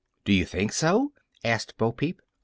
"Do you think so?" asked Bo Peep.